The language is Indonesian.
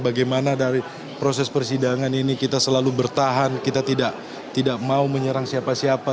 bagaimana dari proses persidangan ini kita selalu bertahan kita tidak mau menyerang siapa siapa